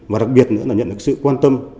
và đặc biệt nữa là nhận được sự quan tâm